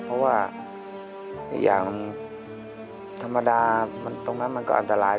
เพราะว่าอีกอย่างธรรมดาตรงนั้นมันก็อันตราย